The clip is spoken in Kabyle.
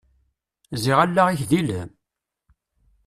Ziɣ allaɣ-ik d ilem!